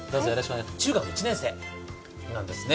中学１年生なんですね。